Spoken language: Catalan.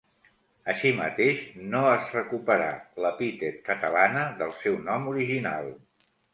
Així mateix no es recuperà l'epítet Catalana del seu nom original.